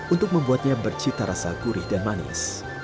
untuk membuatnya bercita rasa gurih dan manis